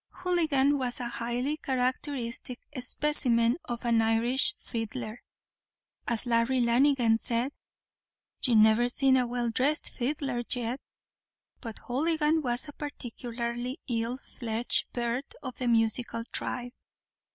Houligan was a highly characteristic specimen of an Irish fiddler. As Larry Lanigan said, "You never seen a well dhrest fiddler yet;" but Houligan was a particularly ill fledged bird of the musical tribe.